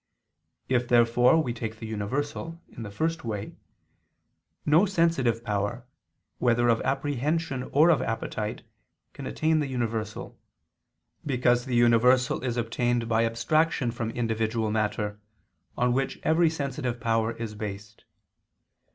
If, therefore, we take the universal, in the first way, no sensitive power, whether of apprehension or of appetite, can attain the universal: because the universal is obtained by abstraction from individual matter, on which every sensitive power is based.